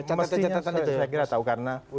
catatan catatan itu mestinya saya kira tahu karena